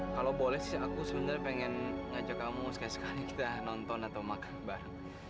kalau boleh sih aku sebenarnya pengen ngajak kamu sekali sekali kita nonton atau makan bareng